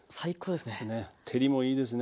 照りもいいですね。